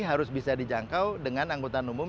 harus bisa dijangkau dengan anggota umum